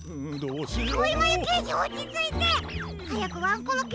うん。